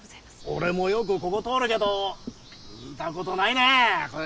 俺もよくここ通るけど見たことないね。